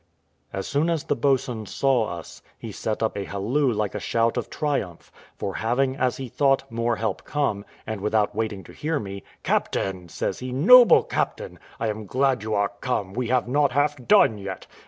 As soon as the boatswain saw us, he set up a halloo like a shout of triumph, for having, as he thought, more help come; and without waiting to hear me, "Captain," says he, "noble captain! I am glad you are come; we have not half done yet.